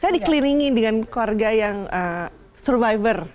saya dikelilingi dengan keluarga yang survivor